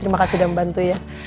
terima kasih sudah membantu ya